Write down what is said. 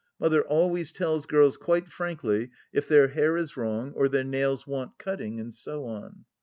Mother always tells girls quite frankly if their hair is wrong or their nails want cutting, and so on.